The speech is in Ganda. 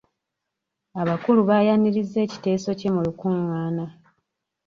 Abakulu bayaniriza ekiteso kye mu lukungaana.